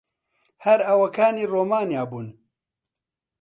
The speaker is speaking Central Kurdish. هەر ئەوەکانی ڕۆمانیا بوون.